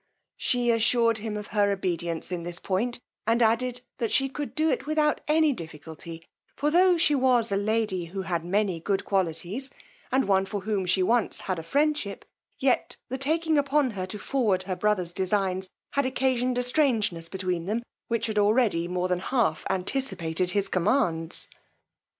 She assured him of her obedience in this point, and added, that she could do it without any difficulty; for tho' she was a lady who had many good qualities, and one for whom she once had a friendship, yet the taking upon her to forward her brother's designs had occasioned a strangeness between them, which had already more than half anticipated his commands.